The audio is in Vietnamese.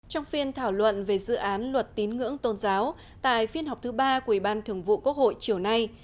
trong phiên thảo luận về dự án luật tín ngưỡng tôn giáo tại phiên họp thứ ba của ủy ban thường vụ quốc hội chiều nay